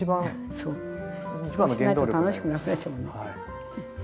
そうしないと楽しくなくなっちゃうのね。